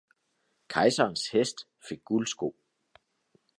Kejserens hest fik guldsko.